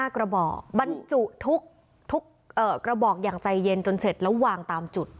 กระบอกบรรจุทุกกระบอกอย่างใจเย็นจนเสร็จแล้ววางตามจุด